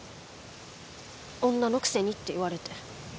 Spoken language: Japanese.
女のくせにって言われて。